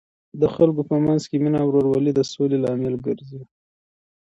د خلکو په منځ کې مینه او ورورولي د سولې لامل ګرځي.